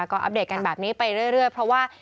ก็อัปเดตกันแบบนี้ไปเรื่อยเพราะว่า